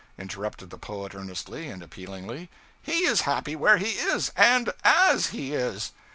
interrupted the poet earnestly and appealingly. 'He is happy where he is, and _as _he is.